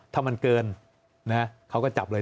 ถ้ามันเกินเขาก็จับเลย